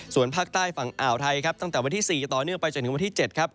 ส่วนภาคใต้ฝั่งอ่าวไทยครับตั้งแต่วันที่๔ต่อเนื่องไปจนถึงวันที่๗ครับ